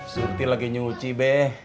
surti lagi nyuci be